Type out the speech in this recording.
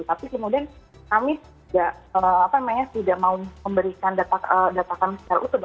tapi kemudian kami tidak mau memberikan data kami secara utuh